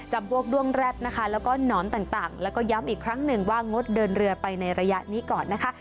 พวกด้วงแร็ดนะคะแล้วก็หนอนต่างแล้วก็ย้ำอีกครั้งหนึ่งว่างดเดินเรือไปในระยะนี้ก่อนนะคะ